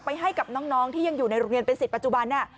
ให้กับน้องที่ยังอยู่ในโรงเรียนเป็นสิทธิปัจจุบัน